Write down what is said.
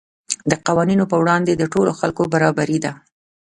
د قوانینو په وړاندې د ټولو خلکو برابري ده.